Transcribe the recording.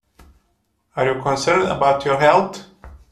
Are you concerned about your health?